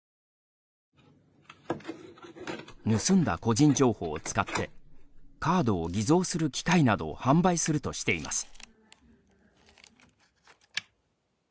盗んだ個人情報を使ってカードを偽造する機械などを販売するとしています。